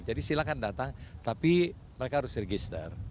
jadi silakan datang tapi mereka harus register